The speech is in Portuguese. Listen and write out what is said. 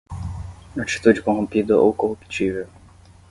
Atitude corrompida ou corruptível